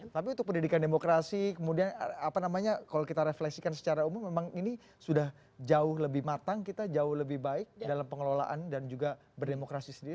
tapi untuk pendidikan demokrasi kemudian apa namanya kalau kita refleksikan secara umum memang ini sudah jauh lebih matang kita jauh lebih baik dalam pengelolaan dan juga berdemokrasi sendiri